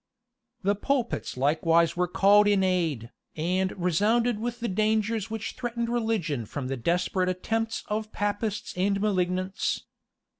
[*] The pulpits likewise were called in aid, and resounded with the dangers which threatened religion from the desperate attempts of Papists and malignants.